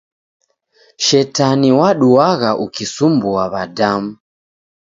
Shetani waduagha ukisumbua w'adamu